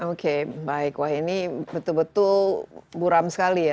oke baik wah ini betul betul buram sekali ya